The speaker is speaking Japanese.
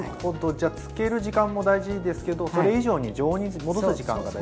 じゃ漬ける時間も大事ですけどそれ以上に常温に戻す時間が大事なんですね。